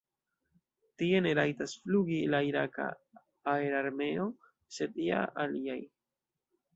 Tie ne rajtas flugi la iraka aerarmeo, sed ja aliaj.